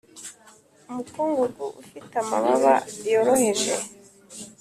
umukungugu ufite amababa yoroheje.